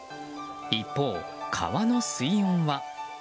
一方、川の水温は。